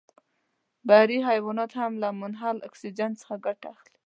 بحري حیوانات هم له منحل اکسیجن څخه ګټه اخلي.